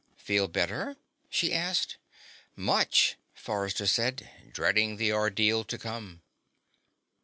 "Feel better?" she asked. "Much," Forrester said, dreading the ordeal to come.